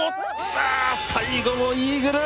ああ最後のイーグル。